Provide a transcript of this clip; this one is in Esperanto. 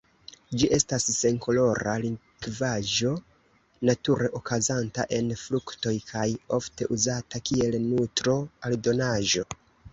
Ĝi estas senkolora likvaĵo nature okazanta en fruktoj kaj ofte uzata kiel nutro-aldonaĵo.